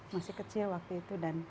masih kecil waktu itu